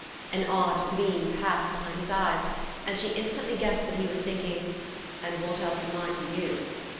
An odd gleam passed behind his eyes, and she instantly guessed that he was thinking: "And what else am I to you?"